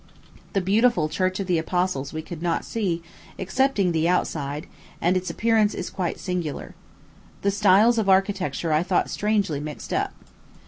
The beautiful Church of the Apostles we could not see, excepting outside, and its appearance is quite singular. The styles of architecture I thought strangely mixed up.